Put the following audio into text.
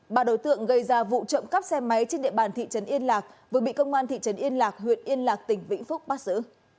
bà đối tượng gây ra vụ trộm cắp xe máy trên địa bàn thị trấn yên lạc vừa bị công an thị trấn yên lạc huyện yên lạc tỉnh vĩnh phúc bắt giữ